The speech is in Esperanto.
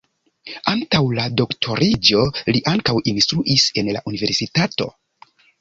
Antaŭ la doktoriĝo li ankaŭ instruis en la universitato.